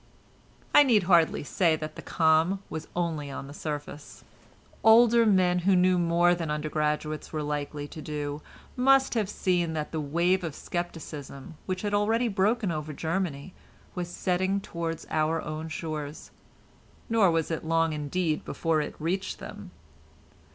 I need hardly say that the calm was only on the surface. Older men, who knew more than undergraduates were likely to do, must have seen that the wave of scepticism which had already broken over Germany was setting towards our own shores, nor was it long, indeed, before it reached them.